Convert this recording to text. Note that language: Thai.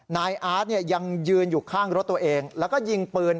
นายอาร์ตยังยืนอยู่ข้างรถตัวเองแล้วก็ยิงปืน